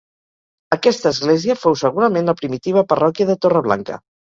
Aquesta església fou segurament la primitiva parròquia de Torreblanca.